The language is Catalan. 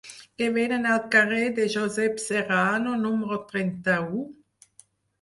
Què venen al carrer de Josep Serrano número trenta-u?